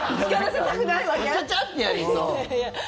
チャチャッてやりそう。